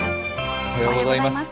おはようございます。